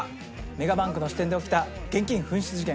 メガバンクの支店で起きた現金紛失事件。